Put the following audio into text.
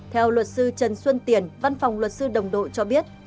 theo luật sư trần xuân tiền văn phòng luật sư đồng đội cho biết